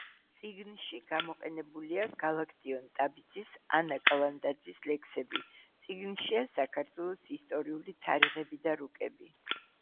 წიგნში გამოყენებულია გალაქტიონ ტაბიძის, ანა კალანდაძის ლექსები, წიგნშია საქართველოს ისტორიული თარიღები და რუკები.